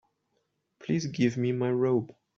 Please give me my robe.